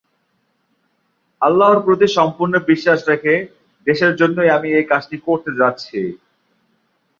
আল্লাহর প্রতি সম্পূর্ণ বিশ্বাস রেখে দেশের জন্যই আমি এ কাজটি করতে যাচ্ছি।